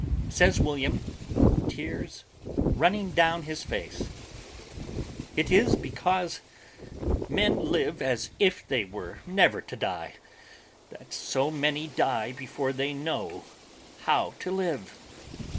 Says William (tears running down his face), "It is because men live as if they were never to die, that so many die before they know how to live.